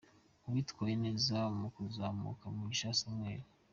Uwitwaye neza mu kuzamuka: Mugisha Samuel.